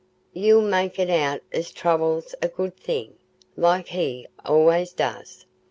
"Ye'll make it out as trouble's a good thing, like he allays does.